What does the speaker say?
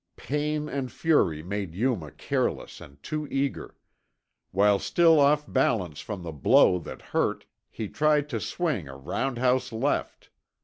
Pain and fury made Yuma careless and too eager. While still off balance from the blow that hurt, he tried to swing a roundhouse left.